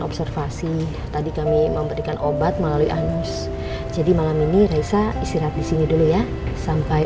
observasi tadi kami memberikan obat melalui anus jadi malam ini raih isi rapi sini dulu ya sampai